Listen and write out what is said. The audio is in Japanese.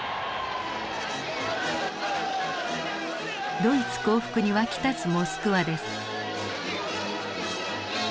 ドイツ降伏に沸き立つモスクワです。